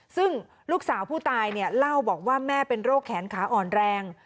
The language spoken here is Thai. ซึ่งลูกสาวผู้ตายเนี่ยเล่าบอกว่าแม่เป็นโรคแขนขาอ่อนแรง